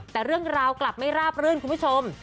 แต่เรื่องราวกลับไม่ราบรื่นคุณผู้ชม